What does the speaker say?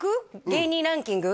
芸人ランキング